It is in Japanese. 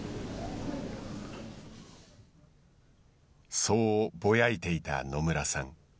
そうぼやいていた野村さん。